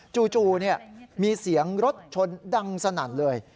จู่มีเสียงรถชนดังสนั่นเลย